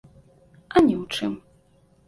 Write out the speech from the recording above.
А ні ў чым.